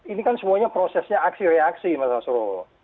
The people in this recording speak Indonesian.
ini kan semuanya prosesnya aksi reaksi mas nusro